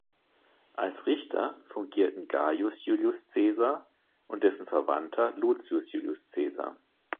Als Richter fungierten Gaius Iulius Caesar und dessen Verwandter Lucius Iulius Caesar.